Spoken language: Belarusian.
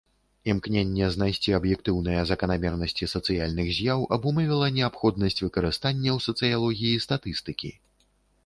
Імкненне знайсці аб'ектыўныя заканамернасці сацыяльных з'яў абумовіла неабходнасць выкарыстання ў сацыялогіі статыстыкі.